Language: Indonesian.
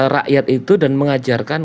rakyat itu dan mengajarkan